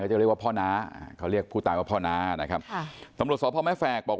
ก็จะเรียกว่าพ่อน้าพ่อน้านะครับตรงหลักสอบพ่อแม่แฟกบอก